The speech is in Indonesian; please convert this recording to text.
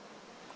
ibu perawat ada